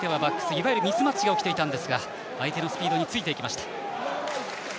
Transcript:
いわゆるミスマッチができていたんですが相手のスピードについていきました。